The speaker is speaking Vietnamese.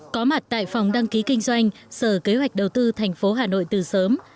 có mặt tại phòng đăng ký kinh doanh sở kế hoạch đầu tư thành phố hà nội từ sớm